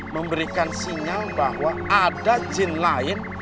memberikan sinyal bahwa ada jin lain